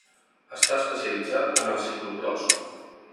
Està especialitzat en el ciclocròs.